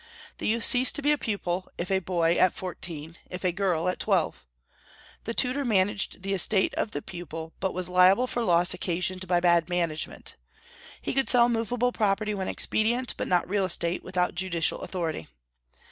The youth ceased to be a pupil, if a boy, at fourteen; if a girl, at twelve. The tutor managed the estate of the pupil, but was liable for loss occasioned by bad management. He could sell movable property when expedient, but not real estate, without judicial authority.